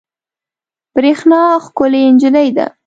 برېښنا ښکلې انجلۍ ده